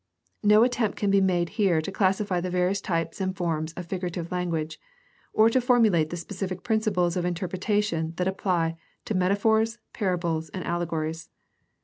No attempt can be made here to classify the various types and forms of figurative language or to formulate the specific principles of interpretation that apply to meta phors, parables, and allegories.